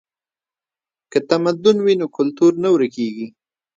که تمدن وي نو کلتور نه ورکیږي.